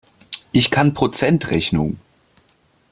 Ich kann Prozentrechnung!